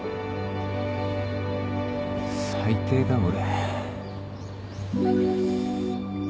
最低だ俺。